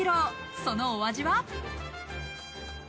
そのお味は。